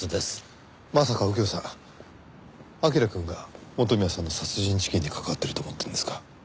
まさか右京さん彬くんが元宮さんの殺人事件に関わってると思ってるんですか？